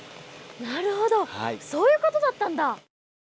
なるほどそういうことだったんだ！